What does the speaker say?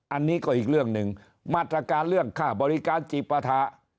อันนี้ก็อีกเรื่องหนึ่งมาตรการเรื่องค่าบริการจีปะถา